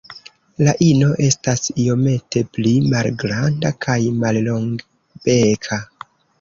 La ino estas iomete pli malgranda kaj mallongbeka.